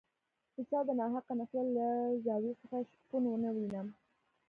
د چا د ناحقه نفرت له زاویې څخه شپون ونه وینم.